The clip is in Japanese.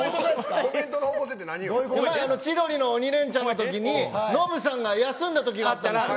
千鳥の鬼レンチャンのときにノブさんが休んだときがあったんです。